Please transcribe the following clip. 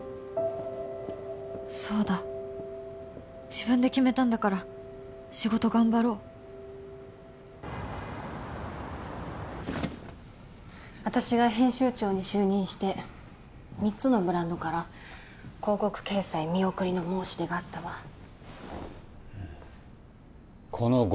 そうだ自分で決めたんだから仕事頑張ろう私が編集長に就任して３つのブランドから広告掲載見送りの申し出があったわうん